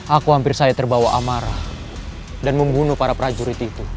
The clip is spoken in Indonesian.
aku hampir saya terbawa amarah dan membunuh para prajurit itu